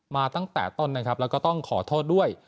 มาตั้งแต่ต้นนะครับแล้วก็ต้องขอโทษด้วย